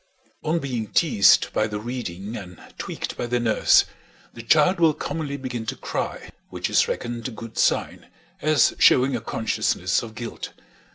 On being teased by the reading and tweaked by the nurse, the child will commonly begin to cry, which is reckoned a good sign, as showing a consciousness of guilt.